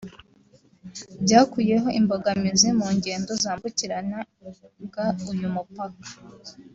byakuyeho imbogaminzi mu ngendo zambukiranyaga uyu mupaka